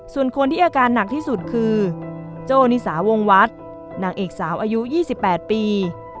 ส่วนคนที่อาการหนักที่สุดคือโจ้นิสาวงวัดนางเอกสาวอายุ๒๘ปี